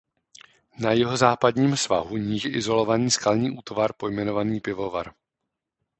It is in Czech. Na jihozápadním svahu níže izolovaný skalní útvar pojmenovaný Pivovar.